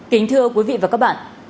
kính thưa quý vị và các bạn